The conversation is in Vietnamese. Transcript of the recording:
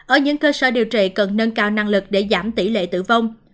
ở những cơ sở điều trị cần nâng cao năng lực để giảm tỷ lệ tử vong